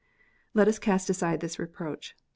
Let us cast aside this reproach.